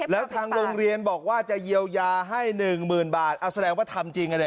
แล้วทางโรงเรียนบอกว่าจะเยียวยาให้หนึ่งหมื่นบาทเอาแสดงว่าทำจริงกันเนี่ย